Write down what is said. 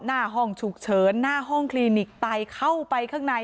หน้าห้องฉุกเฉินหน้าห้องคลินิกไตเข้าไปข้างใน